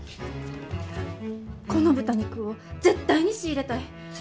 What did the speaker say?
この豚肉を絶対に仕入れたい！